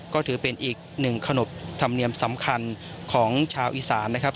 ก็ถือเป็นอีกหนึ่งขนบธรรมเนียมสำคัญของชาวอีสานนะครับ